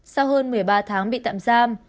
sau hơn một mươi ba tháng bị tạm giam